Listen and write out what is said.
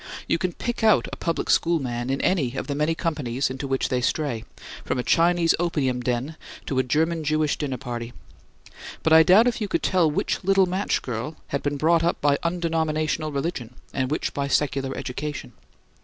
You can pick out a public school man in any of the many companies into which they stray, from a Chinese opium den to a German Jewish dinner party. But I doubt if you could tell which little match girl had been brought up by undenominational religion and which by secular education.